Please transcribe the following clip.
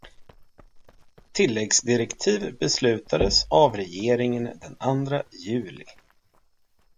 Tilläggsdirektiv beslutades av regeringen den andra juli.